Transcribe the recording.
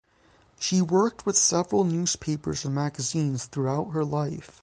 She worked with several newspapers and magazines throughout her life.